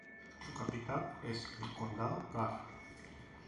Su capital es el condado Gar.